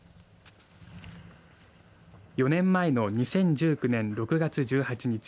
４年前の２０１９年６月１８日